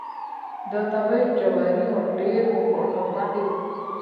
د تبۍ جواری مو ډېر وخوړ او خوند یې وکړ.